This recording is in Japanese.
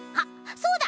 そうだ。